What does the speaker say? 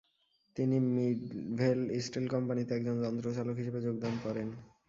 তিনি 'Midvale steel কোম্পানিতে' একজন যন্ত্র চালক হিসেবে যোগদান করেন।